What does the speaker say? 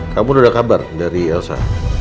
kamu ada kabar dari elsa